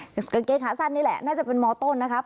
กางเกงขาสั้นนี่แหละน่าจะเป็นมต้นนะครับ